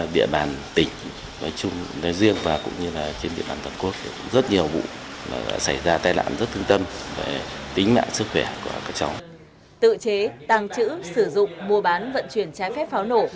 để hạn chế thấp nhất tình trạng tự chế tàng chữ sử dụng mua bán vận chuyển trái phép pháo nổ